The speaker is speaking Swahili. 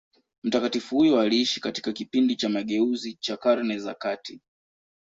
Mtakatifu huyo aliishi katika kipindi cha mageuzi cha Karne za kati.